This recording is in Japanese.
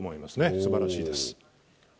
素晴らしいです。